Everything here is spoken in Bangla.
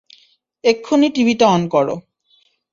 এক্ষুনি টিভিটা অন করো।